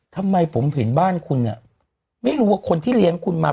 ทำไมผมเห็นบ้านคุณไม่รู้ว่าคนที่เลี้ยงคุณมา